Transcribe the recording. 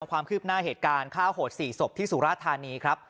ความคืบหน้าเหตุการณ์ฆ่าโหด๔ศพที่สุราธานีครับ